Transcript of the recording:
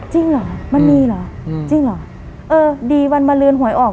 จริงเหรอมันมีเหรอจริงเหรอเออดีวันมาเลือนหวยออก